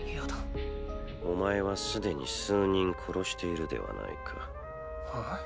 お前は既に数人殺しているではないか。